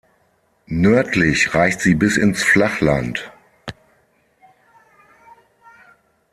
Nördlich reicht sie bis ins Flachland.